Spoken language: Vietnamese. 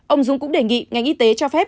ông dung cũng đề nghị ngành y tế cho phép